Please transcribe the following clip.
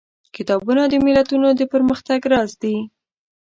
کتابونه د ملتونو د پرمختګ راز دي.